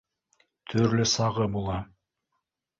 Төрлө сағы була